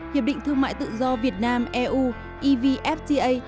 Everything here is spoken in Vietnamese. hiệp định thương mại tự do việt nam eu evfta